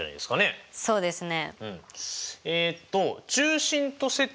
はいそうですね。